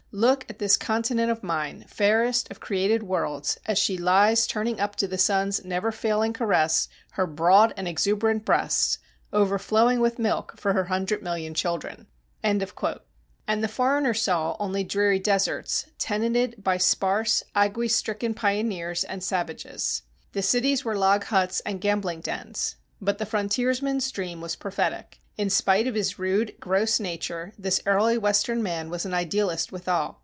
Look at this continent of mine, fairest of created worlds, as she lies turning up to the sun's never failing caress her broad and exuberant breasts, overflowing with milk for her hundred million children." And the foreigner saw only dreary deserts, tenanted by sparse, ague stricken pioneers and savages. The cities were log huts and gambling dens. But the frontiersman's dream was prophetic. In spite of his rude, gross nature, this early Western man was an idealist withal.